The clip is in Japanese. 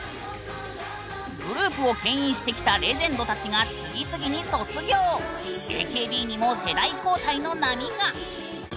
グループをけん引してきたレジェンドたちが次々にＡＫＢにも世代交代の波が。